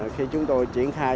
khi chúng tôi triển khai